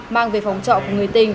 mang về phòng trọ của người tình